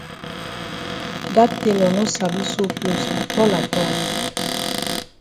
Dat tailor no sabi sew closs atol atol.